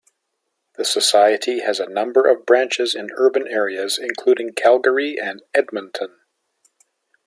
The society has a number of branches in urban areas, including Calgary and Edmonton.